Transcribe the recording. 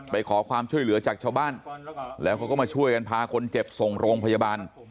ไปขอความช่วยเหลือจากชาวบ้านแล้วเขาก็มาช่วยกันพาคนเจ็บส่งโรงพยาบาล